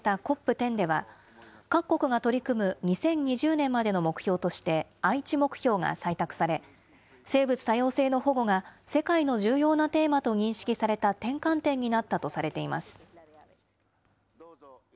１０では、各国が取り組む２０２０年までの目標として、愛知目標が採択され、生物多様性の保護が世界の重要なテーマと認識された転換点になったとされています。